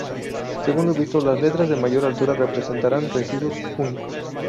Según lo visto, las letras de mayor altura representarán residuos únicos.